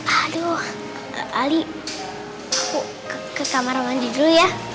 aduh ali aku ke kamar mandi dulu ya